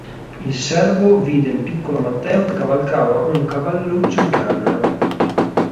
Il servo vide il piccolo Matteo che cavalcava un cavalluccio di canna.